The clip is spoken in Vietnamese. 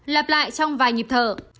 lặp lại trong vài nhịp thở